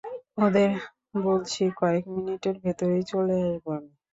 ওদের বলেছি, কয়েক মিনিটের ভেতরেই চলে আসবো আমি!